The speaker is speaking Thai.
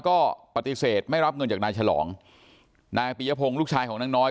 ก็ปฏิเสธไม่รับเงินจากนายฉลองนายปียพงศ์ลูกชายของนางน้อย